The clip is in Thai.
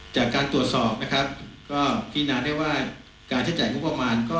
จากการตรวจสอบคือนานได้ว่าการยั่งจ่ายงบวงมาล